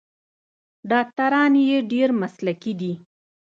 ډاکټران یې ډیر مسلکي دي.